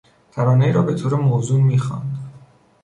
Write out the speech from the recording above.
ترانهای را بهطور موزون میخواند.